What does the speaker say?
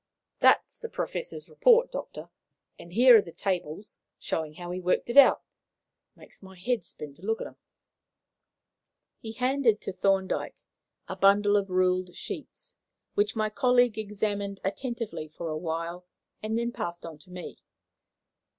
That's the Professor's report, Doctor, and here are the tables showing how he worked it out. It makes my head spin to look at 'em." He handed to Thorndyke a bundle of ruled sheets, which my colleague examined attentively for a while, and then passed on to me.